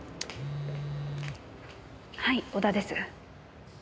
はい織田です。